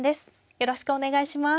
よろしくお願いします。